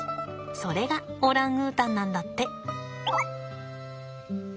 それがオランウータンなんだって。